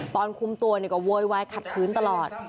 ตอนคุมตัวก็โวยวายขัดขืนตลอด